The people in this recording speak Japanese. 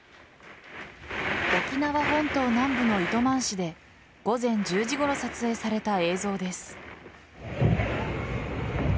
沖縄本島南部の糸満市で午前１０時ごろ撮影された映像です。